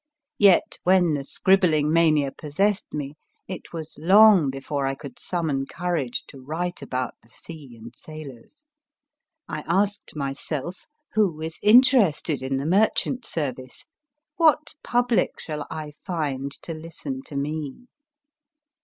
Yet when the scribbling mania possessed me it was long before I could summon courage to write about the sea and sailors. I asked my self, Who is interested in the Merchant Service ? What public shall I find to listen to me